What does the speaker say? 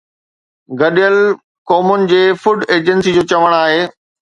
گڏيل قومن جي فوڊ ايجنسي جو چوڻ آهي